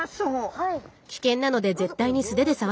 はい。